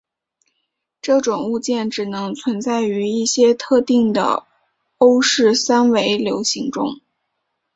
这种物件只能存在于一些特定的欧氏三维流形中。